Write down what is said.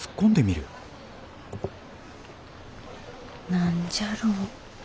何じゃろう。